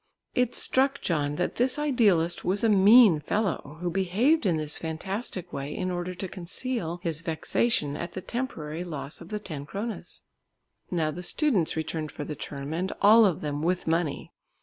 It struck John that this idealist was a mean fellow who behaved in this fantastic way in order to conceal his vexation at the temporary loss of the ten kronas. Now the students returned for the term, and all of them with money.